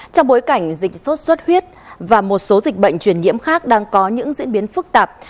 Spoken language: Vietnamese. trong bối cảnh dịch sốt xuất huyết và một số dịch bệnh truyền nhiễm khác đang có những diễn biến phức tạp